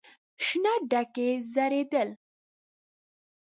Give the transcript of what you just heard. شنه ډکي ځړېدل.